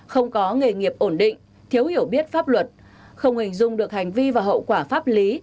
không có nghề nghiệp ổn định thiếu hiểu biết pháp luật không hình dung được hành vi và hậu quả pháp lý